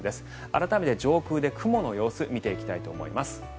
改めて、上空で雲の様子を見ていきたいと思います。